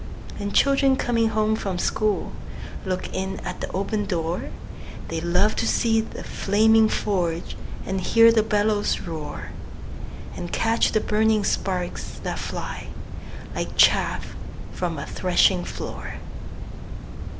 And children coming home from school Look in at the open door; They love to see the flaming forge, And hear the bellows roar, And catch the burning sparks that fly, Like chaff from a threshing floor.